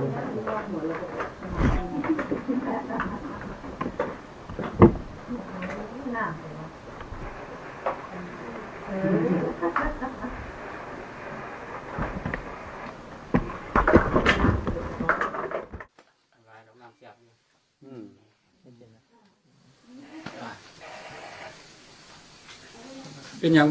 วันนี้ก็จะเป็นสวัสดีครับ